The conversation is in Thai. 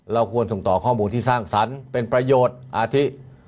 ควรส่งต่อข้อมูลที่สร้างสรรค์เป็นประโยชน์อาทิ